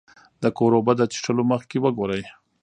د کور اوبه د څښلو مخکې وګورئ.